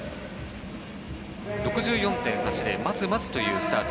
６４．８０まずまずというスタート。